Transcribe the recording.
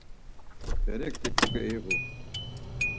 Berek ti kogeiğu.